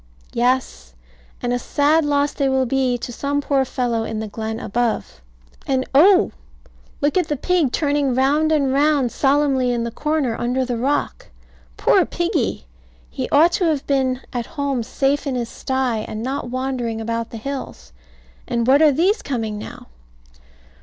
Yes. And a sad loss they will be to some poor fellow in the glen above. And oh! Look at the pig turning round and round solemnly in the corner under the rock. Poor piggy! He ought to have been at home safe in his stye, and not wandering about the hills. And what are these coming now?